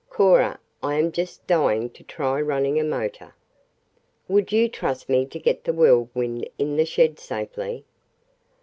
Cora, I am just dying to try running a motor. Would you trust me to get the Whirlwind in the shed safely?"